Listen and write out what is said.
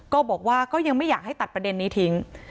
ก็บอกว่าก็ยังไม่อยากให้ตัดประเด็นนี้ทิ้ง